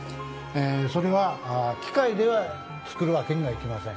それは機械では作るわけにはいきません。